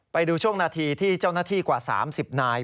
ไปดูช่วงนาทีที่เจ้าหน้าที่กว่า๓๐นาย